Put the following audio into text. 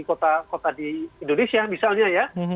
kota kota di indonesia misalnya ya